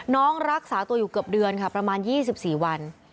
รักษาตัวอยู่เกือบเดือนค่ะประมาณ๒๔วัน